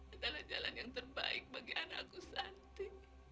adalah jalan yang terbaik bagi anakku santi